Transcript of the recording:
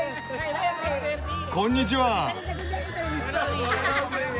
こんにちは！